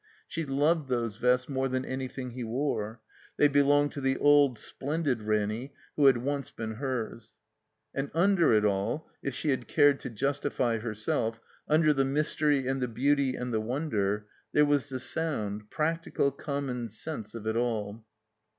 She loved those vests more than anything he wore. They belonged to the old splenflid Ranny who had once been hers. And tmder it all (if she had cared to justify her self), under the mystery and the beauty and the wonder, there was the sound, practical common sense of it all.